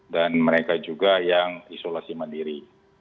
dan mereka juga yang isolasi mandiri